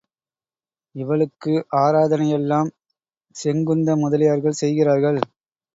இவளுக்கு ஆராதனையெல்லாம் செங்குந்த முதலியார்கள் செய்கிறார்கள்.